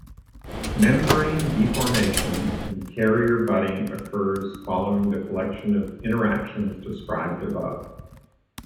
Membrane deformation and carrier budding occurs following the collection of interactions described above.